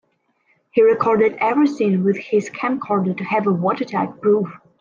He recorded everything with his camcorder to have a watertight proof.